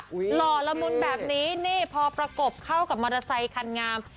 หล่อละมุนแบบนี้นี่พอประกบเข้ากับมอเตอร์ไซคันงาม